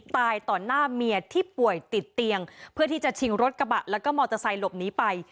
ตายต่อหน้าเมียที่ป่วยติดเตียงเพื่อที่จะชิงรถกระบะแล้วก็มอเตอร์ไซค์หลบหนีไป